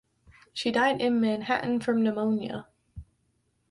She died in Manhattan from pneumonia.